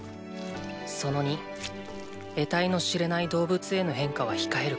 その２得体の知れない動物への変化は控えること。